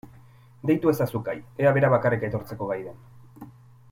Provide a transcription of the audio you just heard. Deitu ezazu Kai ea bera bakarrik etortzeko gai den.